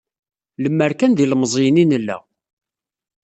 Lemer kan d ilemẓiyen i nella.